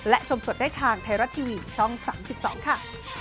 และชมสดได้ทางไทยรัฐทีวีช่อง๓๒ค่ะ